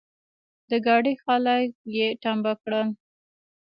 د ګاډي خلګ يې ټمبه کړل.